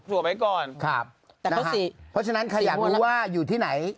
จัวไปก่อนครับนะครับเพราะฉะนั้นใครอยากรู้ว่าอยู่ที่ไหน